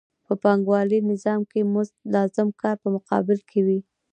په پانګوالي نظام کې مزد د لازم کار په مقابل کې وي